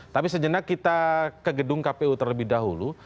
tapi sejenak kita ke gedung kpu terlebih dahulu